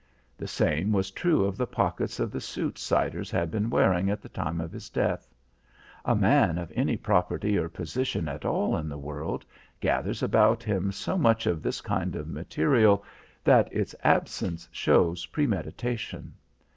The same was true of the pockets of the suit Siders had been wearing at the time of his death. A man of any property or position at all in the world gathers about him so much of this kind of material that its absence shows premeditation.